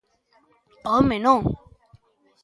Home, non!